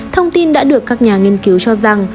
thông tin đã được các nhà nghiên cứu cho rằng